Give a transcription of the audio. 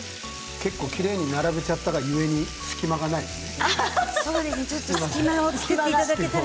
結構きれいに並べちゃったが故に隙間がないですね。